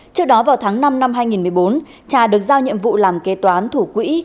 trước đó vào tháng năm năm hai nghìn một mươi bốn trà được giao nhiệm vụ làm kế toán thủ quỹ